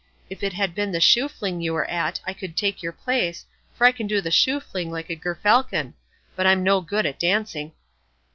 If it had been the shoe fling you were at I could take your place, for I can do the shoe fling like a gerfalcon; but I'm no good at dancing."